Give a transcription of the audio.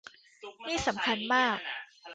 นี่สำคัญมาก